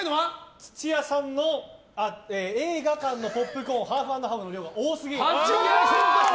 土屋さんの映画館のポップコーンハーフ＆ハーフの量、多すぎ！